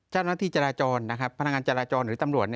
เจ้าหน้าที่จราจรนะครับพนักงานจราจรหรือตำรวจ